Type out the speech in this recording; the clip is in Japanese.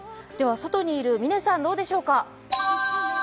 外にいる嶺さん、どうでしょうか。